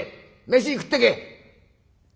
飯食ってけ」。